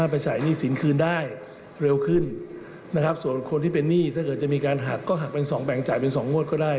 ถ้าใครไม่ชอบก็ใช้แนวทางเดิมได้นะฮะไปฟังเสียงทางนายกรัฐมนตรีกันครับ